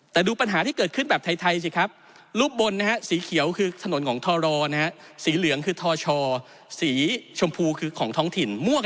แต่ดูปัญหาที่เกิดขึ้นแบบไทยสิครับรูปบนนะฮะสีเขียวคือถนนของทรนะฮะสีเหลืองคือทชอสีชมพูคือของท้องถิ่นม่วง